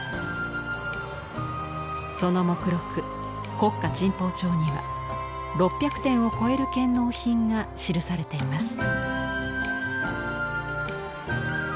その目録「国家珍宝帳」には６００点を超える献納品が記されています。